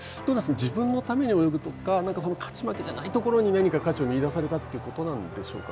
自分のために泳ぐとか勝ち負けじゃないところに何か価値を見いだされたということなんでしょうか。